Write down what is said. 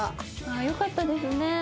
よかったですね。